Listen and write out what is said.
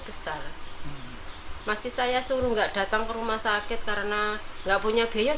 besar masih saya suruh enggak datang ke rumah sakit karena enggak punya biaya